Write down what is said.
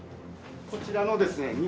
こちらのですね